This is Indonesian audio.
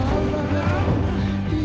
ya allah yang kuanggu